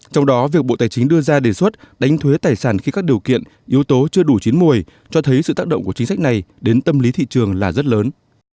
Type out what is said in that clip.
trong đó việc bộ tài chính đưa ra đề xuất đánh thuế tài sản khi các điều kiện yếu tố chưa đủ chín mùi cho thấy sự tác động của chính sách này đến tâm lý thị trường là rất lớn